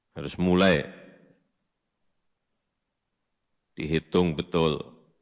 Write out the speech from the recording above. harus mulai dihitung betul